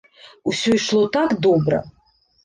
Усё ішло так добра.